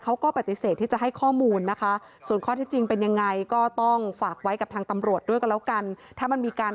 เราก็ต้องไปดูว่าเป็นความผิดอะไรหรือไม่อย่างไรนะครับ